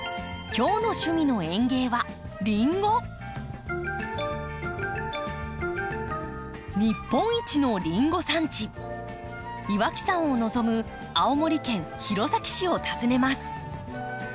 今日の「趣味の園芸」は日本一のリンゴ産地岩木山を望む青森県弘前市を訪ねます。